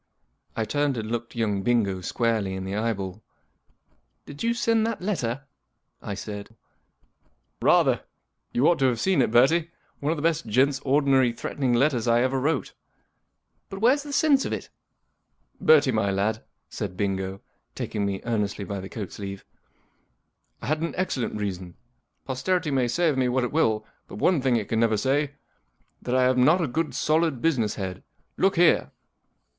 I turned and looked young Bingo squarely in the eyeball. 44 Did you send that letter ?" I said. Original from UNIVERSITY OF MICHIGAN 401 P. G. Wodehouse '* Rather ! You ought to have seen it, Bertie ! One of the best gent's ordinary threatening letters I ever wrote." 1 But where's the sense of it ?"" Bertie, my lad," said Bingo, taking me earnestly by the coat sleeve, " I had an excellent reason, Posterity may say of me what it will, but one thing it can never say— that I have not a good solid business head. Look here